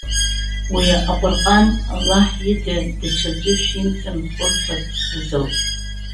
Уи Аҟәырҟан, Аллаҳ ида даҽаӡәы шәимҵамхырхәарц азоуп.